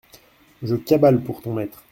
Je cabale pour ton maître.